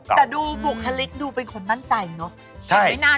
ถ้าดูบุคลิกดูมั่นใจเนอะ